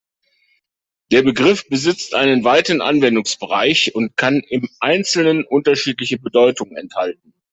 Der Begriff besitzt einen weiten Anwendungsbereich und kann im Einzelnen unterschiedliche Bedeutungen enthalten.